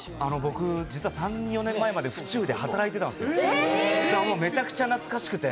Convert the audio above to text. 実は３４年前まで府中で働いていたんですよ。